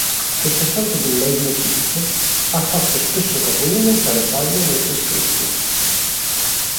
Questa sorta di "leitmotiv" ha fatto spesso capolino tra le pagine dei suoi scritti.